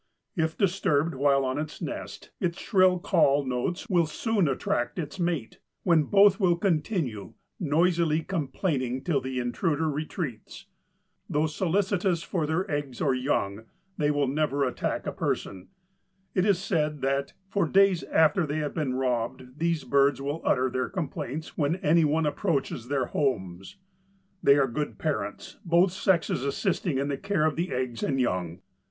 If disturbed while on its nest its shrill call notes will soon attract its mate, when both will continue noisily complaining till the intruder retreats. Though solicitous for their eggs or young, they will never attack a person. It is said that "for days after they have been robbed these birds will utter their complaints when anyone approaches their homes." They are good parents, both sexes assisting in the care of the eggs and young.